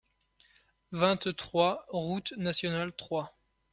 vingt-trois rTE NATIONALE trois